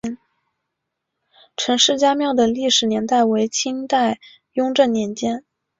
陈氏家庙的历史年代为清代雍正年间。